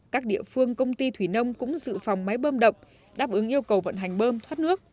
các địa phương công ty thủy nông cũng dự phòng máy bơm động đáp ứng yêu cầu vận hành bơm thoát nước